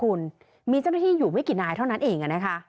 คือเมื่อพี่มีเจ้าหน้าที่อยู่ไม่กี่นายเท่านั้นเอง